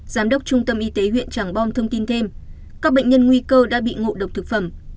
giám đốc trung tâm y tế huyện tràng bom thông tin thêm các bệnh nhân nguy cơ đã bị ngộ độc thực phẩm